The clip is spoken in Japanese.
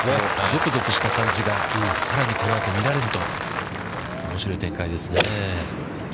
ぞくぞくした感じがさらにこのあと見られると、おもしろい展開ですね。